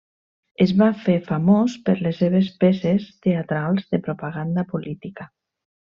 Es va fer famós per les seves peces teatrals de propaganda política.